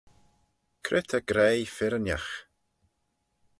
Cre ta graih firrinagh?